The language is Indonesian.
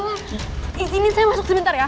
di sini saya masuk sebentar ya